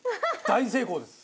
大成功です！